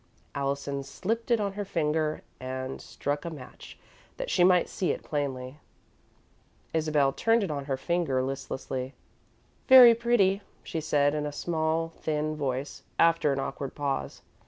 Allison slipped it on her finger and struck a match that she might see it plainly. Isabel turned it on her finger listlessly. "Very pretty," she said, in a small, thin voice, after an awkward pause.